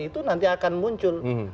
itu nanti akan muncul